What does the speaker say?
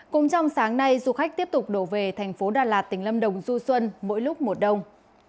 cũng trong sáng nay du khách tiếp tục đổ về thành phố đà lạt tỉnh lâm đồng du xuân mỗi lúc mùa đông